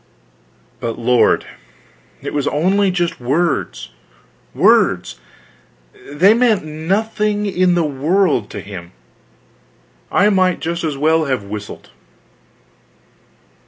But lord, it was only just words, words they meant nothing in the world to him, I might just as well have whistled.